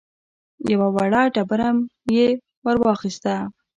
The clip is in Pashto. يوه وړه ډبره يې ور واخيسته.